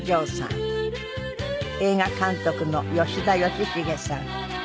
映画監督の吉田喜重さん。